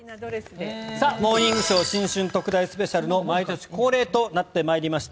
「モーニングショー新春特大スペシャル」の毎年恒例となってまいりました